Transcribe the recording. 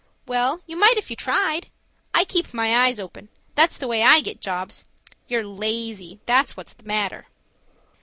"Well you might if you tried. I keep my eyes open,—that's the way I get jobs. You're lazy, that's what's the matter."